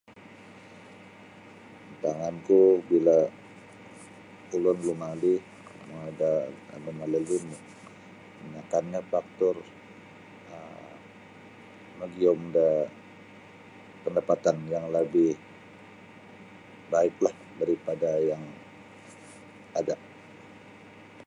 Antangan ku bila ulun lumali mongoi da [unintelligible] kabanyakanya faktor um magium da pandaptan yang labih baiklah daripada yang ada.